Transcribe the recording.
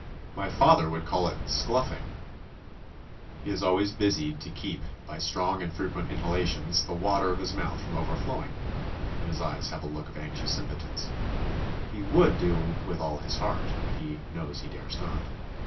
My father would call it 'skluiffing.' He is also always busied to keep, by strong and frequent inhalations, the water of his mouth from overflowing, and his eyes have a look of anxious impotence. He would do with all his heart, but he knows he dares not.